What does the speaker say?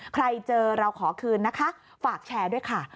ใครเจอเราขอคืนนะคะฝากแชร์ด้วยค่ะ